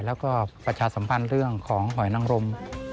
แล้วก็ประชาสัมพันธ์เรื่องของหอยนังรม